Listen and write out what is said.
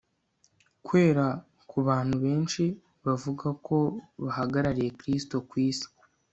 kwera ku bantu benshi bavuga ko bahagarariye Kristo ku isi